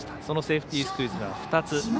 そのセーフティースクイズが２つ。